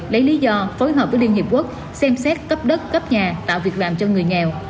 lấy lý do phối hợp với liên hiệp quốc xem xét cấp đất cấp nhà tạo việc làm cho người nghèo